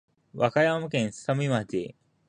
和歌山県すさみ町